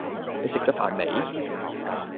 你食咗飯未？